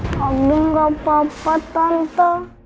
pak odin gak apa apa tante